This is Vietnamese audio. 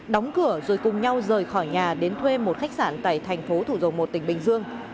đóng cửa rồi cùng nhau rời khỏi nhà đến thuê một khách sạn tại thành phố thủ dầu một tỉnh bình dương